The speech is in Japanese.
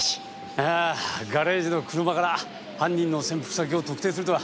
いやあガレージの車から犯人の潜伏先を特定するとは。